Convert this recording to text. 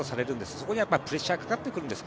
そこにはプレッシャーがかかってくるんです。